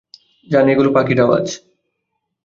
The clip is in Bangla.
জান, এগুলো পাখির আওয়াজ।